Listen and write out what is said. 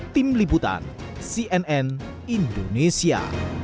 tim liputan cnn indonesia